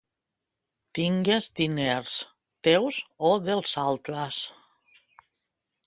Tingues diners, teus o dels altres.